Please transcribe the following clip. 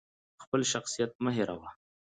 خپل شخصیت مه هیروه!